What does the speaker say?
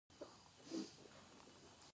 امریکایی شرکتونه هلته فابریکې لري.